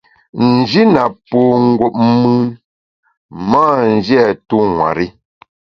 N’ji na po ngup mùn, m’a nji a tu nwer-i.